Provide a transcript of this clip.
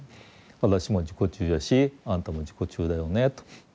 私も自己中やしあなたも自己中だよねと。